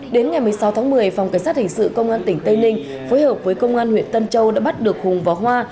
đến ngày một mươi sáu tháng một mươi phòng cảnh sát hình sự công an tp cà mau phối hợp với công an huyện tân châu đã bắt được hùng võ hoa